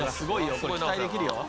これ期待できるよ。